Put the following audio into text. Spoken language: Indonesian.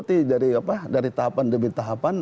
tidak mengikuti dari tahapan demi tahapan